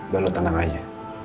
ya lo tenang aja